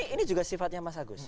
ini juga sifatnya mas agus